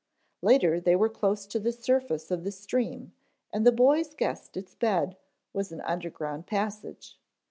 Later they were close to the surface of the stream and the boys guessed its bed was an underground passage.